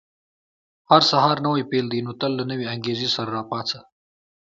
• هر سهار نوی پیل دی، نو تل له نوې انګېزې سره راپاڅه.